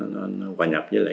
nó hòa nhập với lại